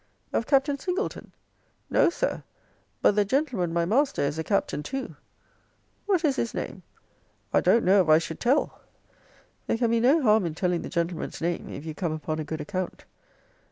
Of Captain Singleton? No, Sir. But the gentleman, my master, is a Captain too. What is his name? I don't know if I should tell. There can be no harm in telling the gentleman's name, if you come upon a good account.